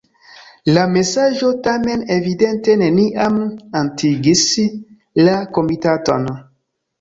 La mesaĝo tamen evidente neniam atingis la komitaton.